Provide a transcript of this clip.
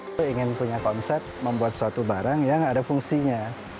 itu ingin punya konsep membuat suatu barang yang ada fungsinya